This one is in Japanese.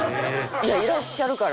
いらっしゃるから。